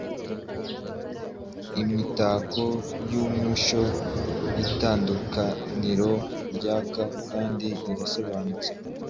Imitako yumucyo Itandukaniro ryaka kandi rirasobanutse.